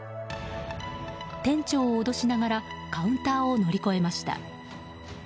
店長を脅しながらカウンターを乗り越えました。